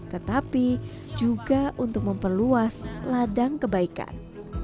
tetapi juga untuk memperluas ladang kebaikan